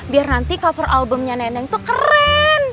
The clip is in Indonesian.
biar nanti cover albumnya neneng tuh keren